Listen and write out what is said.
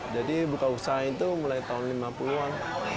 jadi buka usaha itu mulai tahun lima puluh an